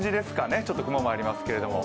ちょっと雲もありますけれども。